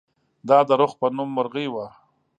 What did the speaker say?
دا د رخ په نوم مرغۍ وه.